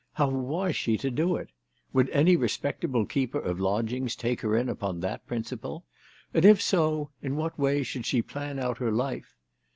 How was she to do it ? "Would any respectable keeper of lodgings take her in upon that principle ? And if so, in what way should she plan out her life